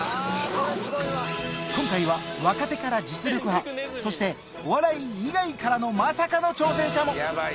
今回は若手から実力派そしてお笑い以外からのまさかの挑戦者も！